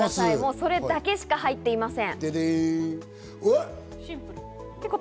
それだけしか入っていません。